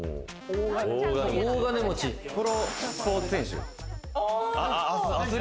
プロスポーツ選手？